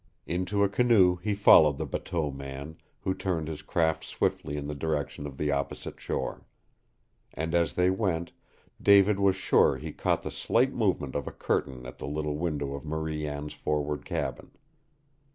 Into a canoe he followed the bateau man, who turned his craft swiftly in the direction of the opposite shore. And as they went, David was sure he caught the slight movement of a curtain at the little window of Marie Anne's forward cabin.